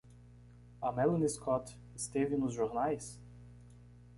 A Melanie Scott esteve nos jornais?